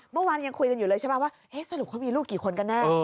เมื่อวานยังคุยกันอยู่เลยสรุปว่ามีลูกกี่คนกันหน้า